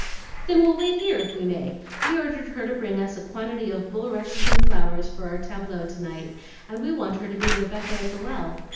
"Then we'll wait here if we may. We ordered her to bring us a quantity of bulrushes and flowers for our tableaux to night, and we want her to be Rebecca at the well.